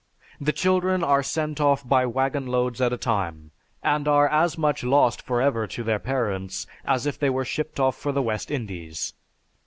The children are sent off by waggon loads at a time, and are as much lost for ever to their parents as if they were shipped off for the West Indies.